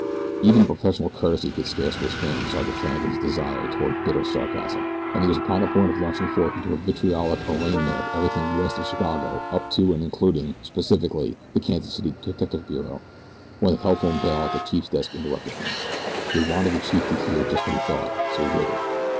Even professional courtesy could scarce restrain Sergeant Flannagan's desire toward bitter sarcasm, and he was upon the point of launching forth into a vitriolic arraignment of everything west of Chicago up to and including, specifically, the Kansas City detective bureau, when the telephone bell at the chief's desk interrupted him. He had wanted the chief to hear just what he thought, so he waited.